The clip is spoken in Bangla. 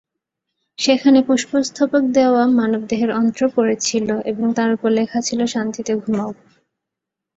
সেখানে পুষ্প স্তবক দেওয়া মানব দেহের অন্ত্র পড়েছিল এবং তার ওপর লেখা ছিল -'শান্তিতে ঘুমাও'।